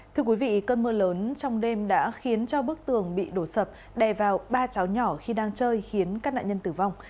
thưa quý vị cơn mưa lớn trong đêm đã khiến cho bức tường bị đổ sập đè vào ba cháu nhỏ khi đang chơi khiến các nạn nhân tử vong